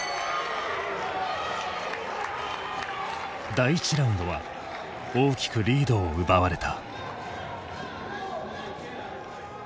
第１ラウンドは大きくリードを奪われた。